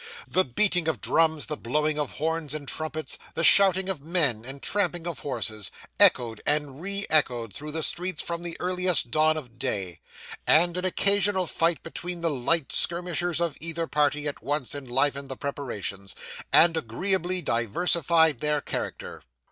The beating of drums, the blowing of horns and trumpets, the shouting of men, and tramping of horses, echoed and re echoed through the streets from the earliest dawn of day; and an occasional fight between the light skirmishers of either party at once enlivened the preparations, and agreeably diversified their character.